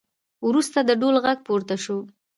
وروسته د ډول غږ پورته شو